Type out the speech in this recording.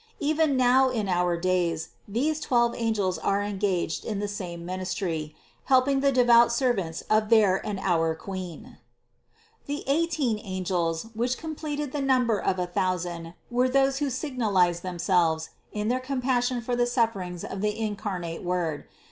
Even now in our days these twelve angels are engaged in the same ministry, helping the devout servants of their and our Queen. 373. The eighteen angels, which completed the num ber of a thousand were those who signalized themselves in their compassion for the sufferings of the incarnate Word.